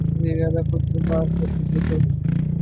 وزیراعلیٰ خود اظہار کرچکے تھے